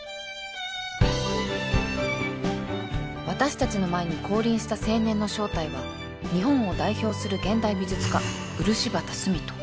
私たちの前に降臨した青年の正体は日本を代表する現代美術家漆畑澄人